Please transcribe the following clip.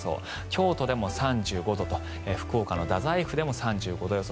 京都でも３５度と福岡の太宰府でも３５度予想。